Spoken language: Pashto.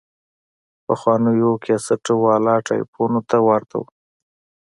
پخوانيو کسټ والا ټايپونو ته ورته وه.